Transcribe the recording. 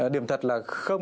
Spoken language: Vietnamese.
hai mươi bảy điểm thật là